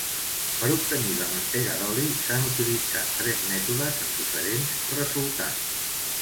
Per obtenir la mantega d'oli, s'han utilitzat tres mètodes amb diferents resultats.